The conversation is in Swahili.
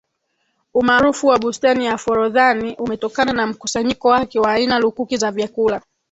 Umaarufu wa bustani ya Forodhani umetokana na mkusanyiko wake wa aina lukuki za vyakula